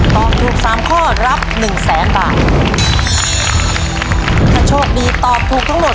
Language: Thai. ตอบถูก๓ค่ารับ๑แสนบาท